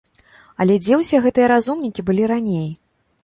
Але дзе ўсе гэтыя разумнікі былі раней?